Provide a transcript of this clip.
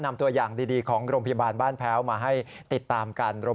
นำตัวอย่างดีของโรงพยาบาลบ้านแพ้วมาให้ติดตามกัน